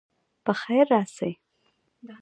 په خیر راسئ.